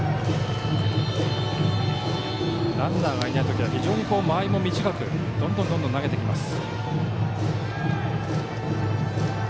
ランナーがいないときは非常に間合いも短くどんどん投げてきます。